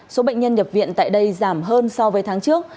số bệnh nhân nhập viện tại đây giảm hơn so với tháng trước